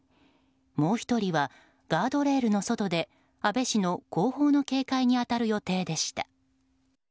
もう１人はガードレールの外で安倍氏の後方の警戒に当たる予定でした。